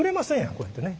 こうやってね。